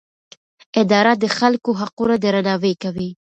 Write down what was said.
اداره د خلکو حقونه درناوی کوي.